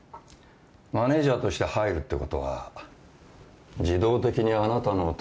マネジャーとして入るってことは自動的にあなたの担当は。